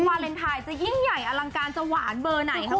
วาเลนไทยจะยิ่งใหญ่อลังการจะหวานเบอร์ไหนครับ